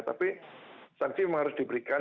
tapi sanksi memang harus diberikan